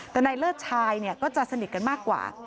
แต่ในเลิศชายก็จะสนิทกันมากกว่า